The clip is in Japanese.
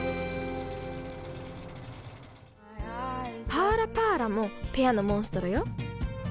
パーラ・パーラもペアのモンストロよ。